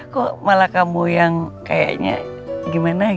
kok malah kamu yang kayaknya gimana